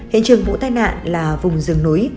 hiện trường vụ tai nạn là vùng rừng núi